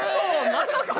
まさかの。